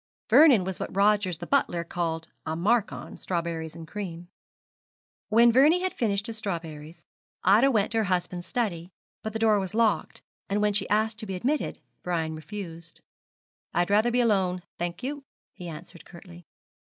Vernon was what Rogers the butler called 'a mark on' strawberries and cream. When Vernie had finished his strawberries, Ida went to her husband's study; but the door was locked, and when she asked to be admitted Brian refused. 'I'd rather be alone, thank you,' he answered, curtly.